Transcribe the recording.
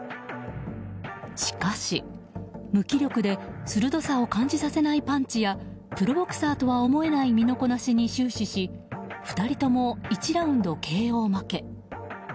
しかし、無気力で鋭さを感じさせないパンチやプロボクサーとは思えない身のこなしに終始し２人とも１ラウンドＫＯ負け。